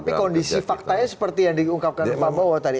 tapi kondisi faktanya seperti yang diungkapkan pak bowo tadi